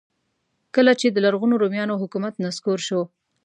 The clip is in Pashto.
کله چې د لرغونو رومیانو حکومت نسکور شو.